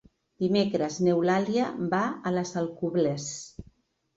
Dimecres n'Eulàlia va a les Alcubles.